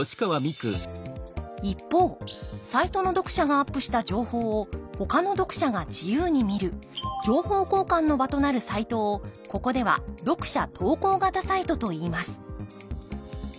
一方サイトの読者がアップした情報をほかの読者が自由に見る情報交換の場となるサイトをここでは読者投稿型サイトといいます